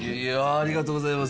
ありがとうございます。